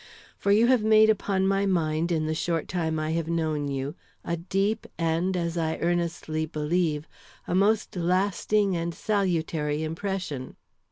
For you have made upon my mind in the short time I have known you a deep, and, as I earnestly believe, a most lasting and salutary impression.